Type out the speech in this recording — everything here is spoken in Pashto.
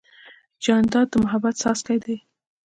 جانداد د محبت څاڅکی دی.